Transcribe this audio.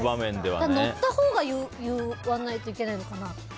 乗ったほうが言わないといけないのかな？